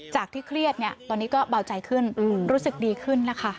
ที่เครียดเนี่ยตอนนี้ก็เบาใจขึ้นรู้สึกดีขึ้นนะคะ